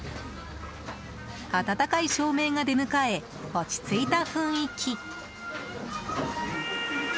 温かい照明が出迎え落ち着いた雰囲気。